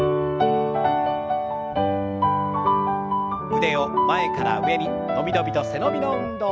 腕を前から上に伸び伸びと背伸びの運動。